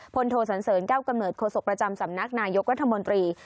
โทสันเสริญแก้วกำเนิดโศกประจำสำนักนายกรัฐมนตรี